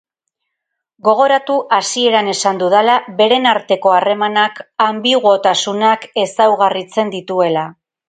Gogoratu hasieran esan dudala beren arteko harremanak anbiguotasunak ezaugarritzen dituela.